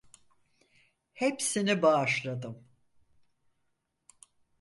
Hepsini bağışladım.